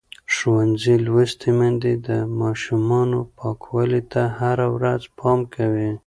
ښوونځې لوستې میندې د ماشومانو پاکوالي ته هره ورځ پام کوي.